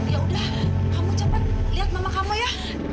ya udah kamu cepat lihat mama kamu ya